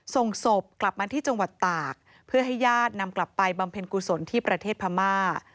ส่งศพกลับมาที่จังหวัดตากเพื่อให้ญาตินำกลับไปบำเพ็ญกุศลที่ประเทศพม่า